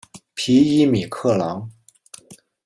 皮伊米克朗。